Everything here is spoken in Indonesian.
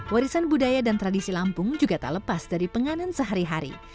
warisan budaya dan tradisi lampung juga tak lepas dari penganan sehari hari